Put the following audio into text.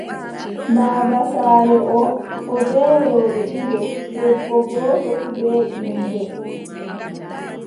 Baaba saare oo, o bee rewɓe ɗiɗo, debbo gooto fuu bee ɓiŋngel.